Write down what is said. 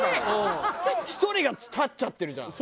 １人が立っちゃってるじゃん。